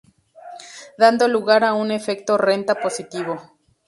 Dando lugar a un efecto renta positivo.